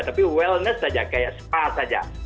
tapi wellness saja kayak spa saja